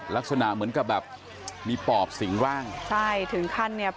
ลักษณะเหมือนกับแบบมีปอบสิงร่างใช่ถึงขั้นเนี่ย